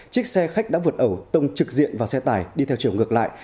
chiếc xe khách đã vượt ẩu tông trực diện vào xe tải đi theo chiều ngược lại